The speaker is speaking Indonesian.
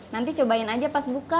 nanti cobain aja pas buka